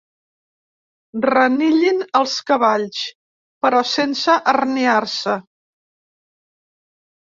Renillin els cavalls, però sense herniar-se.